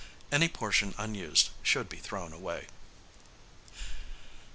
Any portion unused should be thrown away.